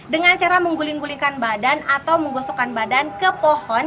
dengan cara mengguling gulingkan badan atau menggosokkan badan ke pohon